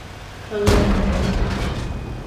Oldoi ngwek